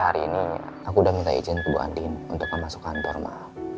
hari ini aku udah minta izin ke bu andin untuk masuk kantor ma